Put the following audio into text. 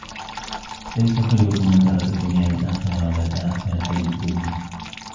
لَيْسَ خَيْرُكُمْ مَنْ تَرَكَ الدُّنْيَا لِلْآخِرَةِ وَلَا الْآخِرَةَ لِلدُّنْيَا